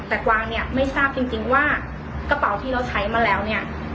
แต่กวางเนี่ยไม่ทราบจริงว่ากระเป๋าที่เราใช้มาแล้วเนี่ย